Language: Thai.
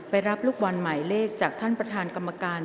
รับลูกบอลหมายเลขจากท่านประธานกรรมการ